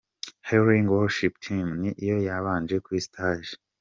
Healing worship team ni yo yabanje kuri stage.